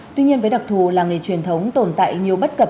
tuy nhiên với đặc thù làng nghề truyền thống tồn tại nhiều bất cập